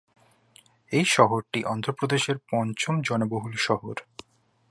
এই শহরটি অন্ধ্রপ্রদেশের পঞ্চম জনবহুল শহর।